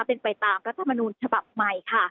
เป็นไปตามรัฐมนูญฉบับใหม่ค่ะ